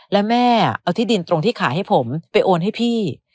และแม่เอาที่ดินตรงที่ขายให้ผมไปโอนให้พี่